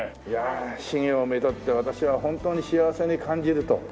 いや志げをめとって私は本当に幸せに感じると。